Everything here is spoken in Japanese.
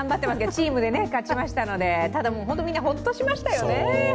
チームも勝ちましたのでただ本当にみんな、ホッとしましたよね。